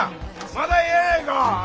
まだええやないか！